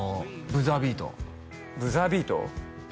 ブザービートブザービート？